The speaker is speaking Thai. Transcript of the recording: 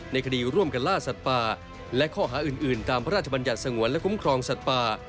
คดีร่วมกันล่าสัตว์ป่าและข้อหาอื่นตามพระราชบัญญัติสงวนและคุ้มครองสัตว์ป่า